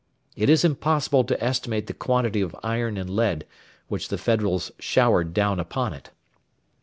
It is impossible to estimate the quantity of iron and lead which the Federals showered down upon it.